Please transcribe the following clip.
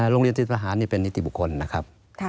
ลมเรียนศิษย์ระหารเนี่ยเป็นนิติบุคคลนะครับ